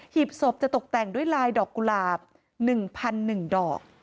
หีบศพจะตกแต่งด้วยลายดอกกุหลาบ๑๑ดอก